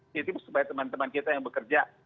titip supaya teman teman kita yang bekerja